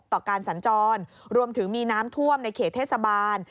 ต่อการสัญจรรวมถึงมีน้ำท่วมในเขตเทศบาล